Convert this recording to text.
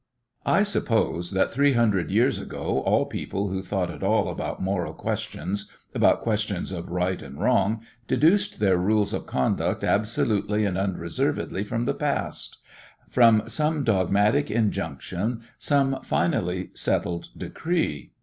I suppose that three hundred years ago all people who thought at all about moral questions, about questions of Right and Wrong, deduced their rules of conduct absolutely and unreservedly from the past, from some dogmatic injunction, some finally settled decree.